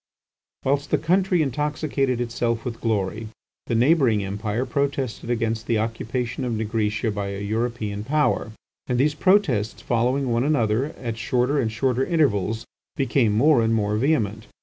Whilst the country intoxicated itself with glory, the neighbouring Empire protested against the occupation of Nigritia by a European power, and these protests following one another at shorter and shorter intervals became more and more vehement.